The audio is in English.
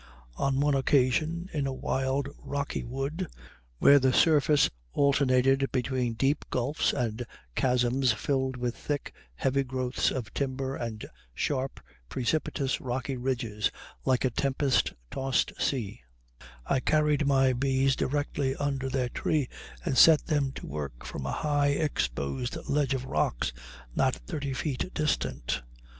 On one occasion, in a wild rocky wood, where the surface alternated between deep gulfs and chasms filled with thick, heavy growths of timber and sharp, precipitous, rocky ridges like a tempest tossed sea, I carried my bees directly under their tree, and set them to work from a high, exposed ledge of rocks not thirty feet distant.